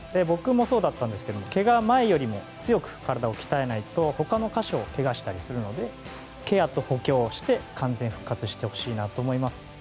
僕もそうだったんですけどけが前よりも強く体を鍛えないと他の箇所をけがしたりするのでケアと補強をして完全復活してほしいなと思います。